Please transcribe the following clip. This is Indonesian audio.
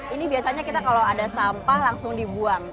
ini biasanya kita kalau ada sampah langsung dibuang